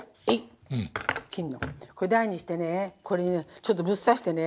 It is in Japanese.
台にしてねこれちょっとぶっ刺してね。